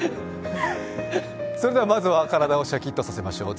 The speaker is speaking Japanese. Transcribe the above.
それではまずは体をシャキッとさせましょう。